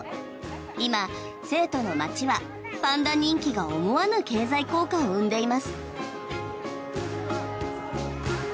今、成都の街はパンダ人気が思わぬ経済効果を生んでいます。